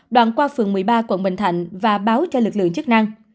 đoạn qua phường một mươi ba quận bình thạnh và báo cho lực lượng chức năng